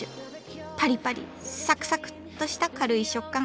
パリパリサクサクッとした軽い食感。